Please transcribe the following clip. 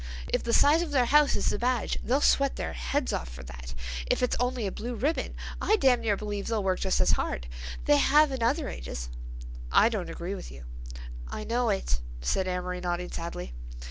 If the size of their house is the badge they'll sweat their heads off for that. If it's only a blue ribbon, I damn near believe they'll work just as hard. They have in other ages." "I don't agree with you." "I know it," said Amory nodding sadly.